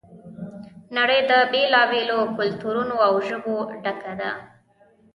نړۍ د بېلا بېلو کلتورونو او ژبو ډکه ده.